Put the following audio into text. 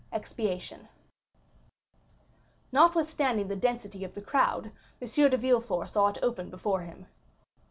Expiation Notwithstanding the density of the crowd, M. de Villefort saw it open before him.